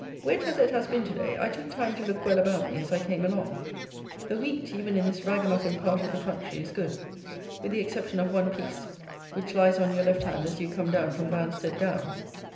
Wet as it has been to day, I took time to look well about me as I came along. The wheat, even in this ragamuffin part of the country, is good, with the exception of one piece, which lies on your left hand as you come down from Banstead Down.